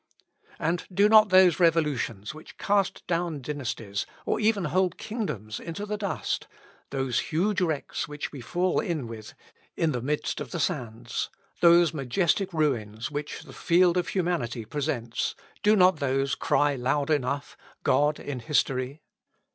And do not those revolutions, which cast down dynasties, or even whole kingdoms into the dust; those huge wrecks which we fall in with in the midst of the sands; those majestic ruins which the field of humanity presents, do not those cry loud enough, God in History?